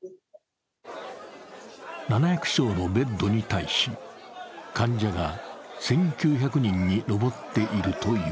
７００床のベッドに対し、患者が１９００人に上っているという。